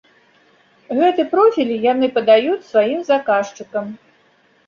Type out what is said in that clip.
Гэты профіль яны падаюць сваім заказчыкам.